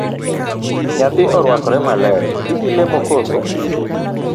Nyathi oruakore maler, idhi lemo koso?